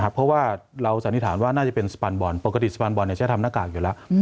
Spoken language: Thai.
เพราะว่าเราสันนิษฐานว่าน่าจะเป็นสปานบอลปกติสะพานบอลจะทำหน้ากากอยู่แล้ว